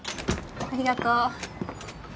ありがとう。